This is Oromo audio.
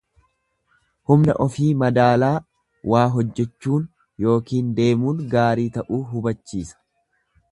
Humna ofi madaalaa waa hojjechuun ykn deemuun gaarii ta'uu hubachiisa.